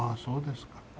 そうですか。